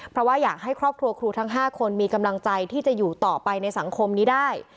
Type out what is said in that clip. เพราะว่าอยากให้ครอบครัวครูทั้ง๕คนมีกำลังใจที่จะอยู่ต่อไปในสังคมนี้ได้